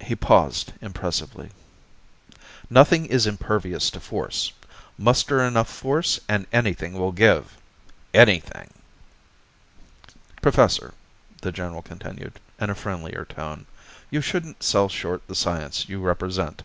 He paused impressively. "Nothing is impervious to force. Muster enough force and anything will give. Anything. "Professor," the general continued, in a friendlier tone, "you shouldn't sell short the science you represent.